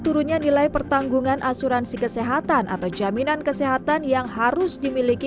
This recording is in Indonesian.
turunnya nilai pertanggungan asuransi kesehatan atau jaminan kesehatan yang harus dimiliki